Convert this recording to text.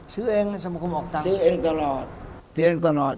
ซื้อเองสมคมออกตังค์ซื้อเองตลอดซื้อเองตลอด